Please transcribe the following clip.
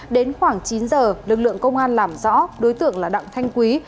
đến khoảng chín giờ lực lượng công an làm rõ đối tượng là đặng thanh quý